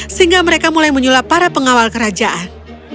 sehingga mereka mulai menyulap para pengawal kerajaan